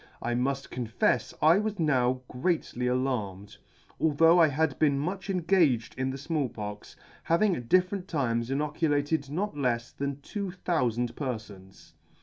I muft confefs I was now greatly alarmed, although I had been much engaged in the Small Pox, having at different times inoculated not lefs than two thoufand perfons.